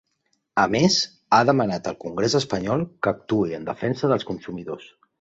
A més, ha demanat al congrés espanyol que actuï en defensa dels consumidors.